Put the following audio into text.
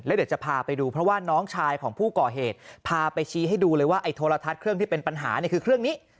เดี๋ยวจะพาไปดูเพราะว่าน้องชายของผู้ก่อเหตุพาไปชี้ให้ดูเลยว่าไอ้โทรทัศน์เครื่องที่เป็นปัญหาเนี่ยคือเครื่องนี้